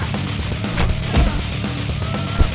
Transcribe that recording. bang harus kuat bang